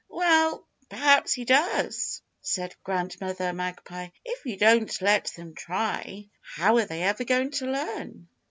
"Well, perhaps he does!" said Grandmother Magpie. "If you don't let them try how are they ever going to learn?"